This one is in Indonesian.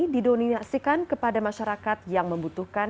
didominasikan kepada masyarakat yang membutuhkan